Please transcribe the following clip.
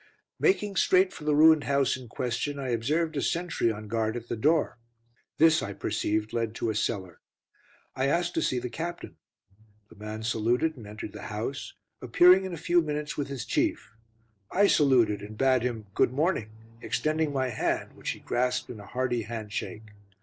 Making straight for the ruined house in question, I observed a sentry on guard at the door. This, I perceived, led to a cellar. I asked to see the Captain. The man saluted and entered the house, appearing in a few minutes with his chief. I saluted, and bade him "good morning," extending my hand, which he grasped in a hearty handshake.